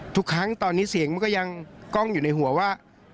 ทุกครั้งตอนนี้เสียงมันก็ยังกล้องอยู่ในหัวว่า